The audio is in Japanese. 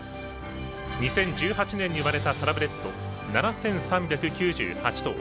２０１８年に生まれたサラブレッド、７３９８頭。